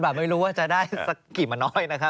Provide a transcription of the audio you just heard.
ไม่รู้ว่าจะได้สักกี่มาน้อยนะครับ